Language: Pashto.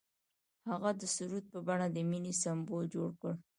هغه د سرود په بڼه د مینې سمبول جوړ کړ.